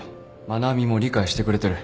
愛菜美も理解してくれてる。